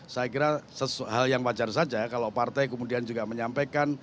saya kira hal yang wajar saja kalau partai kemudian juga menyampaikan